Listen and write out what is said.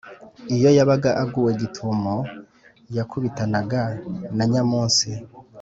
iyo yabaga aguwe gitumo, yakubitanaga na Nyamunsi,